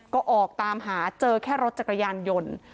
ก็ออกตามหาเจอแค่รถจักรยานยนต์